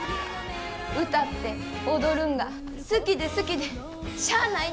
歌って踊るんが好きで好きでしゃあないねん。